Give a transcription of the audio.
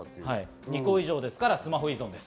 ２個以上ですから、スマホ依存です。